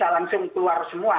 langsung keluar semua